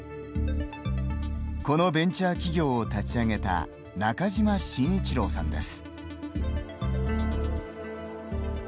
このベンチャー企業を立ち上げた中島紳一郎さんです。